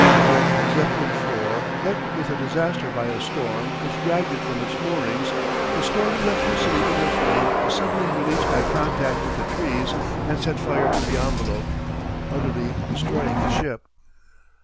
When Zeppelin IV. met with a disaster by a storm which dragged it from its moorings, the stored electricity in her frame was suddenly released by contact with the trees and set fire to the envelope, utterly destroying the ship.